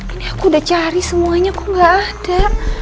ini aku udah cari semuanya kok gak ada